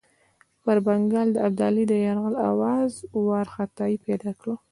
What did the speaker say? پر بنګال د ابدالي د یرغل آوازو وارخطایي پیدا کړه.